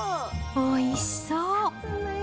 おいしそう。